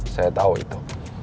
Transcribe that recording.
saya tau itu